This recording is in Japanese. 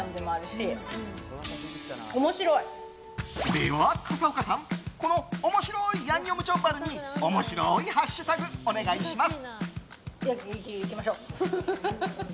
では片岡さん、この面白いヤンニョムチョッバルに面白いハッシュタグお願いします。